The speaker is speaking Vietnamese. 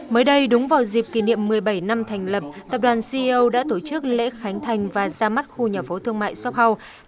mới đây đúng vào dịp kỷ niệm một mươi bảy năm thành lập tập đoàn ceo đã tổ chức lễ khánh thành và ra mắt khu nhà phố thương mại shop house